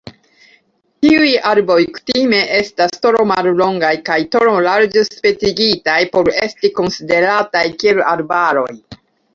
Tiuj arboj kutime estas tro mallongaj kaj tro larĝ-spacigitaj por esti konsiderataj kiel arbaroj.